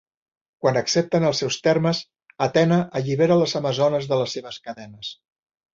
Quan accepten els seus termes, Atena allibera les amazones de les seves cadenes.